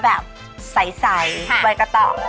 แบบใสไว้กระตอก